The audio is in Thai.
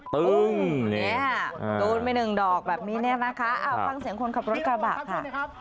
ตึงนี่ดูดไปหนึ่งดอกแบบนี้นะคะเอาฟังเสียงคนขับรถกลับบ้านค่ะ